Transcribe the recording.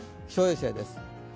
気象衛星です。